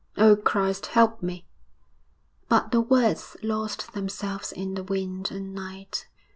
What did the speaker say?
Oh, Christ, help me!' But the words lost themselves in the wind and night....